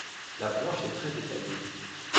La planche est très détaillée.